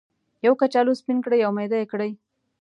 یو کچالو سپین کړئ او میده یې کړئ.